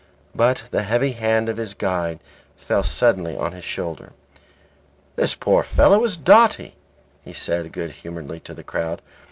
But the heavy hand of his guide fell suddenly on his shoulder. "This poor fellow is dotty," he said good humouredly to the crowd.